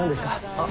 あっ！